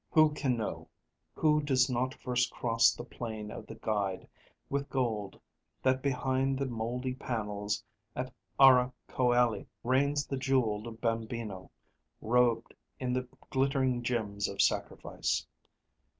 Who can know, who does not first cross the plain of the guide with gold, that behind the moldy panels at Ara Coeli reigns the jeweled bambino, robed in the glittering gems of sacrifice?